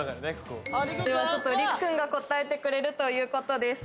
ここではりくくんが答えてくれるということです